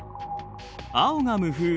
青が無風。